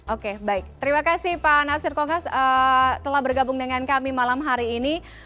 oke baik terima kasih pak nasir kongas telah bergabung dengan kami malam hari ini